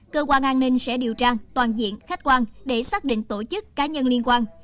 cơ quan an ninh sẽ điều tra toàn diện khách quan để xác định tổ chức cá nhân liên quan